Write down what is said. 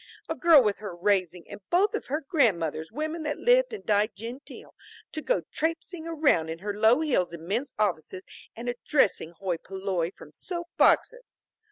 A girl with her raising and both of her grandmothers women that lived and died genteel, to go traipsing around in her low heels in men's offices and addressing hoi polloi from soap boxes!